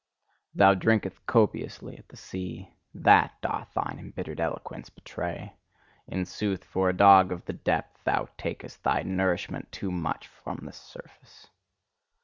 Thou drinkest copiously at the sea: that doth thine embittered eloquence betray! In sooth, for a dog of the depth, thou takest thy nourishment too much from the surface!